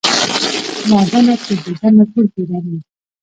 له آدمه تر دې دمه ټول پیران یو